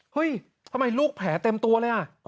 เฮ้ยทำไมลูกแผลเต็มตัวเลยอ่ะ